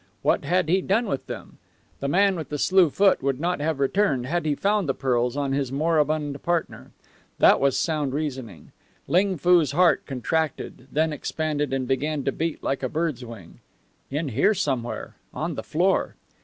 What had he done with them? The man with the slue foot would not have returned had he found the pearls on his moribund partner. That was sound reasoning. Ling Foo's heart contracted, then expanded and began to beat like a bird's wing. In here somewhere on the floor!